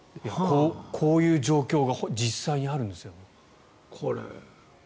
こういう状況が実際にあるんですよね。